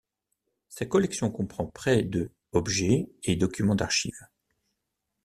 Sa collection comprend près de objets et documents d'archives.